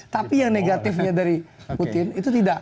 tapi yang negatifnya dari putin itu tidak